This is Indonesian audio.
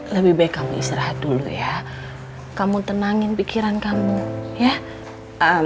lebih baik kamu istirahat dulu ya kamu tenangin pikiran kamu ya